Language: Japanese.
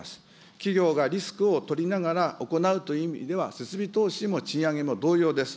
企業がリスクを取りながら行うという意味では、設備投資も賃上げも同様です。